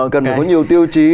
cần có nhiều tiêu chí